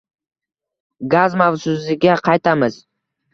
Gaz mavzusiga qaytamiz.